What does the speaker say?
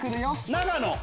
長野。